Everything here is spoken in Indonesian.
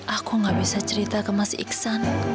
aku gak bisa cerita ke mas iksan